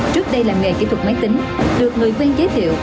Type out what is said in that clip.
trước đây là nghề kỹ thuật máy tính được người viên giới thiệu